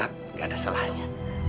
kalian vari makan ya